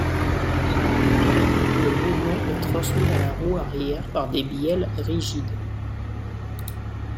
Le mouvement est transmis à la roue arrière par des bielles rigides.